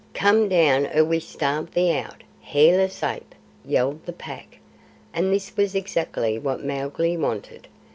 "Come down ere we starve thee out, hairless ape!" yelled the Pack, and this was exactly what Mowgli wanted.